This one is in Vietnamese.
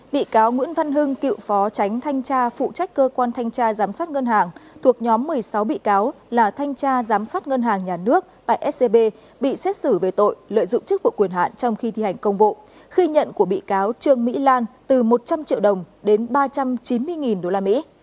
bị cáo nguyễn văn hưng cựu phó tránh thanh tra phụ trách cơ quan thanh tra giám sát ngân hàng thuộc nhóm một mươi sáu bị cáo là thanh tra giám sát ngân hàng nhà nước tại scb bị xét xử về tội lợi dụng chức vụ quyền hạn trong khi thi hành công vụ khi nhận của bị cáo trương mỹ lan từ một trăm linh triệu đồng đến ba trăm chín mươi usd